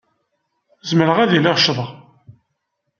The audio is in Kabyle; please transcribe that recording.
Zemreɣ ad iliɣ ccḍeɣ.